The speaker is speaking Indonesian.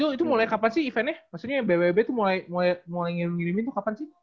oh itu mulai kapan sih eventnya maksudnya yang bwb tuh mulai ngirim ngirimin tuh kapan sih